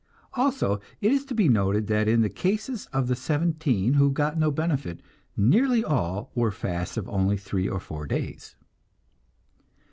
Also it is to be noted that in the cases of the 17 who got no benefit, nearly all were fasts of only three or four days.